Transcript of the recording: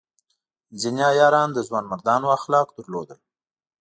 ځینې عیاران د ځوانمردانو اخلاق درلودل.